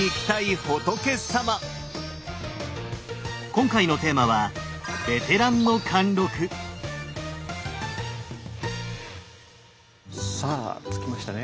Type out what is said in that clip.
今回のテーマはさあ着きましたね。